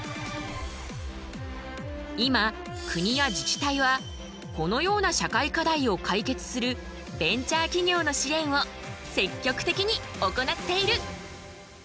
今国や自治体はこのような社会課題を解決するベンチャー企業の支援を積極的に行っている。